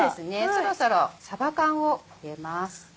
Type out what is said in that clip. そろそろさば缶を入れます。